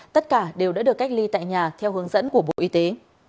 tất cả đều đã được cách ly tại nhà theo hướng dẫn của bộ y tế